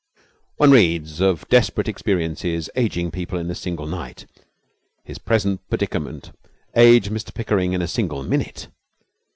One reads of desperate experiences ageing people in a single night. His present predicament aged Mr Pickering in a single minute.